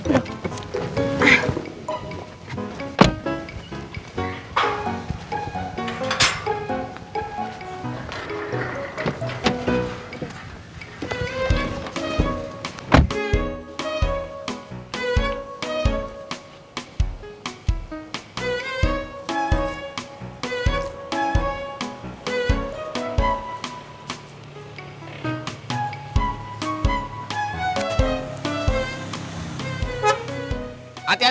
terima kasih sayang